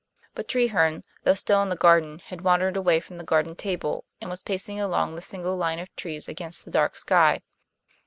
But Treherne, though still in the garden, had wandered away from the garden table, and was pacing along the single line of trees against the dark sea.